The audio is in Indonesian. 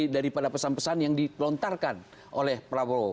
daripada pesan pesan yang ditelontarkan oleh prabowo